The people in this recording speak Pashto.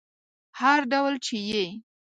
هر ډول چې یې